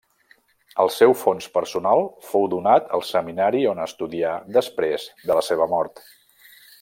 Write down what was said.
El seu fons personal fou donat al seminari on estudià després de la seva mort.